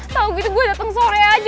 tau gitu gue datang sore aja